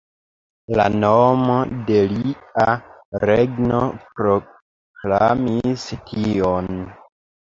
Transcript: La nomo de lia regno proklamis tion.